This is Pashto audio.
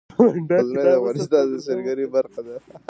غزني د افغانستان د سیلګرۍ برخه ده.